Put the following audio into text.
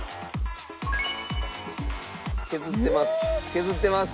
削ってます。